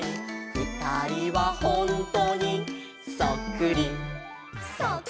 「ふたりはほんとにそっくり」「」